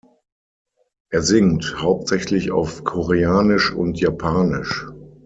Er singt hauptsächlich auf koreanisch und japanisch.